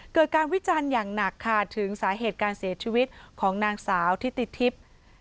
เกิดการวิจารณ์อย่างหนักค่ะถึงสาเหตุการเสียชีวิตของนางสาวทิติทิพย์